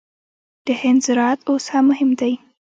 د هند زراعت اوس هم مهم دی.